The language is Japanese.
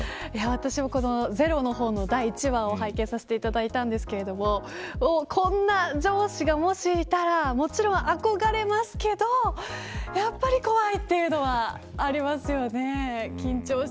私も０の方の第１話を拝見させていただいたんですがこんな上司がもしいたらもちろん憧れますけどやっぱり怖いというのはありますよね。